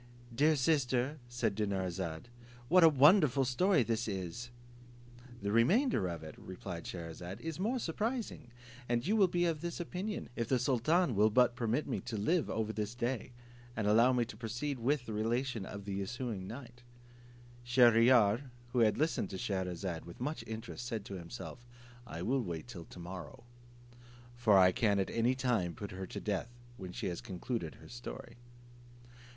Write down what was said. "Dear sister," said Dinarzade, "what a wonderful story is this!" "The remainder of it," replied Scheherazade "is more surprising, and you will be of this opinion, if the sultan will but permit me to live over this day, and allow me to proceed with the relation the ensuing night." Shier ear, who had listened to Scheherazade with much interest, said to himself, "I will wait till to morrow, for I can at any time put her to death when she has concluded her story."